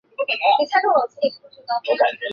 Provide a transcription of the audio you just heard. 鸿沟是中国的古运河名。